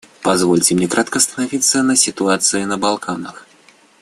Позвольте мне кратко остановиться на ситуации на Балканах.